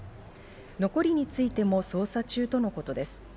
残りについても捜査中とのことです。